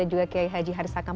dan juga kei haji harisaka